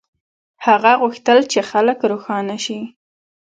هغه غوښتل چې خلک روښانه شي.